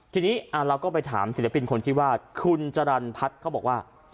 ทีนี้เราก็ไปถามศิลปินคนที่ว่าคุณจรรย์พัฒน์เขาบอกว่า